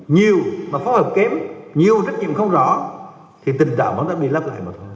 nhiều mà phó hợp kém nhiều trách nhiệm không rõ thì tình đạo của chúng ta bị lắp lại mà thôi